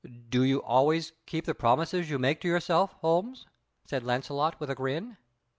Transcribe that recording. "Do you always keep the promises you make to yourself, Holmes?" said Launcelot, with a grin.